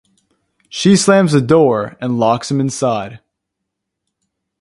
She slams the door and locks him inside.